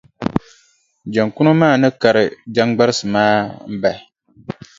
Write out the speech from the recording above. Jaŋkuno maa ni kari jaŋgbarisi maa m-bahi.